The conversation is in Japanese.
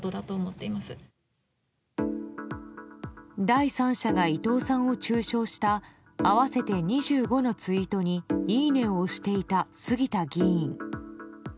第三者が伊藤さんを中傷した合わせて２５のツイートにいいねを押していた杉田議員。